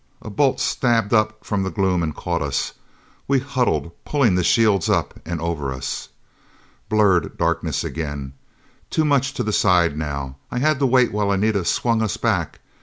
A bolt stabbed up from the gloom and caught us. We huddled, pulling the shields up and over us. Blurred darkness again. Too much to the side now. I had to wait while Anita swung us back.